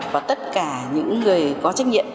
và tất cả những người có trách nhiệm